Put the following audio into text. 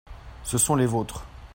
ce sont les vôtres.